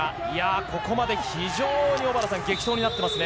ここまで非常に小原さん、激闘になってますね。